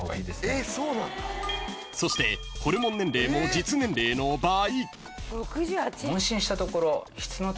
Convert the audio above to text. ［そしてホルモン年齢も実年齢の倍］